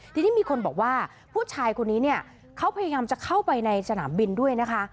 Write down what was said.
ทีนี้มีคนบอกว่าผู้ชายคนนี้เนี่ยเขาพยายามจะเข้าไปในสนามบินด้วยนะคะ